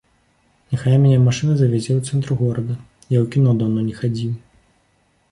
Няхай мяне машына завязе ў цэнтр горада, я ў кіно даўно не хадзіў.